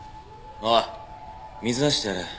おい水出してやれ。